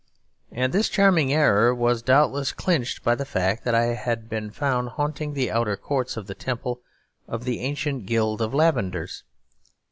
And this charming error was doubtless clinched by the fact that I had been found haunting the outer courts of the temple of the ancient Guild of Lavenders.